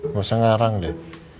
gak usah ngarang deh